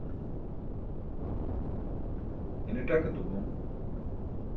ine ṭak etu bom